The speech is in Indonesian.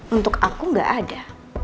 untuk aku gak ada